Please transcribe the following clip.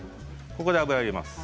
ここで油入れます。